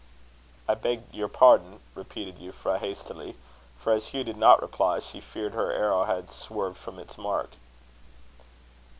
"I beg your pardon," repeated Euphra, hastily; for, as Hugh did not reply, she feared her arrow had swerved from its mark.